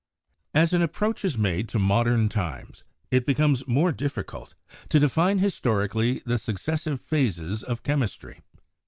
As an approach is made to modern times, it becomes more difficult to define historically the successive phases of chemistry.